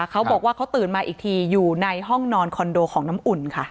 เขาบอกว่าเขาตื่นมาอีกทีอยู่ในห้องนอนคอนโดของน้ำอุ่นค่ะ